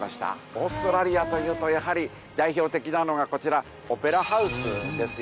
オーストラリアというとやはり代表的なのがこちらオペラハウスですよね。